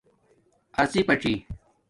اڎپݳڅی